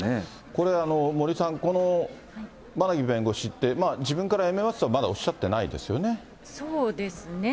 これ、森さん、この馬奈木弁護士って、自分から辞めますとはまだおっしゃってなそうですね。